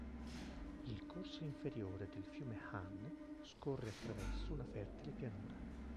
Il corso inferiore del fiume Han scorre attraverso una fertile pianura.